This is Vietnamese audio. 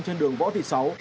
trên đường võ thị sáu